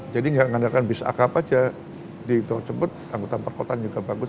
jadi nggak mengandalkan bis akam saja di tuhan sebut angkutan perkotan juga bagus